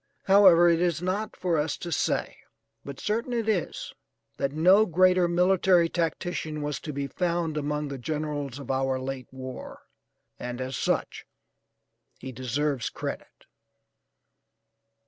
However, it is not for us to say, but certain it is, that no greater military tactician was to be found among the generals of our late war, and as such he deserves credit.